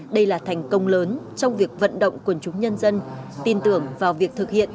đây là thành công lớn trong việc vận động quần chúng nhân dân tin tưởng vào việc thực hiện